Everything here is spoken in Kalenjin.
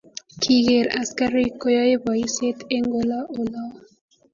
Kiker askarik koyoe boisiet eng olo olo